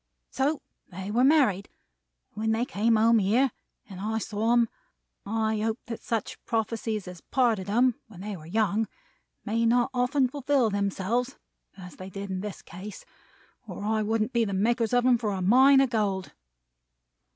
So they were married; and when they came home here, and I saw them, I hoped that such prophecies as parted them when they were young, may not often fulfill themselves as they did in this case, or I wouldn't be the makers of them for a Mine of Gold."